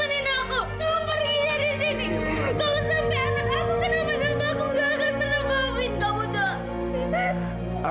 kenapa nama aku gak akan pernah paham